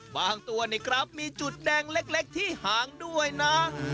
ตัวนี่ครับมีจุดแดงเล็กที่หางด้วยนะ